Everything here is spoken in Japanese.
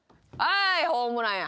ホームランや。